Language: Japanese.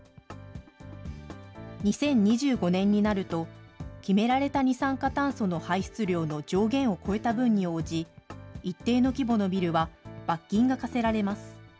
２０２５年になると、決められた二酸化炭素の排出量の上限を超えた分に応じ、一定の規模のビルは罰金が科せられます。